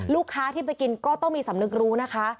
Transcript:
ลูกค้าที่ไปกินก็ต้องมีสำนึกรู้นะคะ